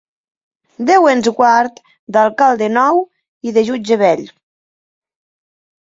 Déu ens guard d'alcalde nou i de jutge vell.